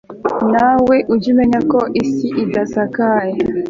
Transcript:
Nawe ujye umenya ko isi idasakaye